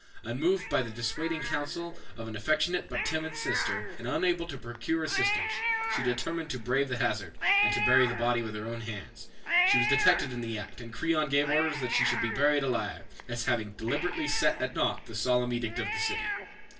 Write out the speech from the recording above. Unmoved by the dissuading counsel of an affectionate but timid sister, and unable to procure assistance, she determined to brave the hazard, and to bury the body with her own hands. She was detected in the act, and Creon gave orders that she should be buried alive, as having deliberately set at naught the solemn edict of the city.